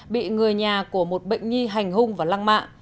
bị người nhà của một bệnh nhi hành hung và lăng mạ